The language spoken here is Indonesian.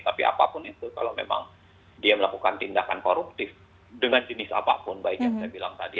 tapi apapun itu kalau memang dia melakukan tindakan koruptif dengan jenis apapun baik yang saya bilang tadi